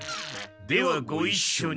ではごいっしょに。